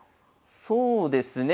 そうですね。